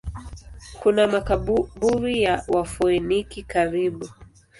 Kuna makaburi ya Wafoeniki karibu.